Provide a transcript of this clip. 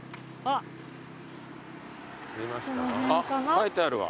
書いてあるわ。